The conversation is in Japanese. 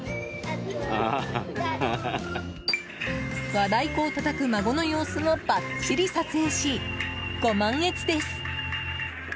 和太鼓をたたく孫の様子もばっちり撮影し、ご満悦です。